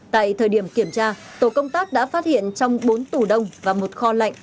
tại thời điểm kiểm tra tổ công tác đã phát hiện trong bốn tủ đông và một kho lạnh